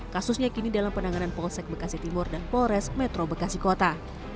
kasusnya kini dalam penanganan polsek bekasi timur dan polres metro bekasi kota